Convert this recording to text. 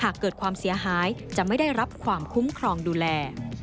หากเกิดความเสียหายจะไม่ได้รับความคุ้มครองดูแล